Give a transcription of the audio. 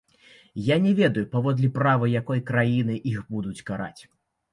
Я не ведаю, паводле права якой краіны іх будуць караць.